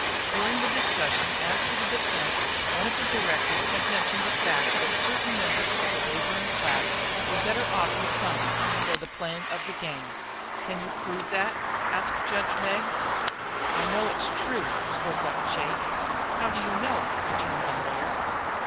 During the discussion as to the defence one of the directors had mentioned the fact that certain members of the laboring class were better off in summer for the playing of the game. "Can we prove that?" asked judge Meggs. "I know it's true," spoke up Chase. "How do you know?" returned the lawyer.